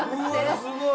すごい。